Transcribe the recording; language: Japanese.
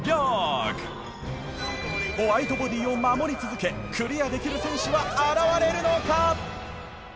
ホワイトボディを守り続けクリアできる選手は現れるのか！？